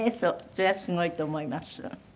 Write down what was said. それはすごいと思います。